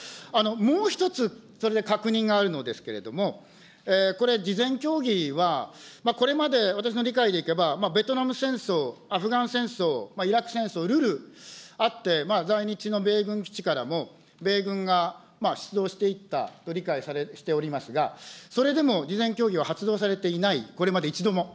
もう一つ、それで確認があるのですけれども、これ、事前協議はこれまで私の理解でいけば、ベトナム戦争、アフガン戦争、イラク戦争、るるあって、在日の米軍基地からも米軍が出動していったと理解しておりますが、それでも事前協議は発動されていない、これまで一度も。